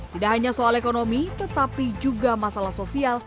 tidak hanya soal ekonomi tetapi juga masalah sosial